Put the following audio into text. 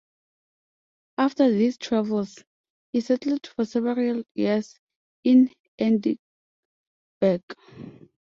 After these travels, he settled for several years in Edinburgh.